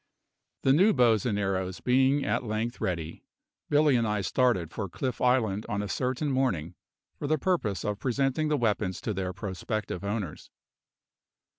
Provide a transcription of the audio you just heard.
The new bows and arrows being at length ready, Billy and I started for Cliff Island on a certain morning, for the purpose of presenting the weapons to their prospective owners.